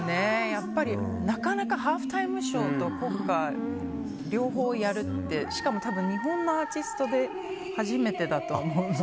やっぱり、なかなかハーフタイムショーと国歌を両方やるってしかも日本のアーティストで初めてだと思うので。